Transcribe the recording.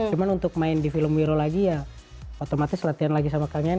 cuma untuk main di film wiro lagi ya otomatis latihan lagi sama kalian